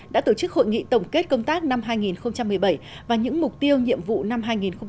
đã tổ chức hội nghị tổng kết công tác năm hai nghìn một mươi bảy và những mục tiêu nhiệm vụ năm hai nghìn một mươi chín